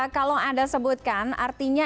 kalau anda sebutkan artinya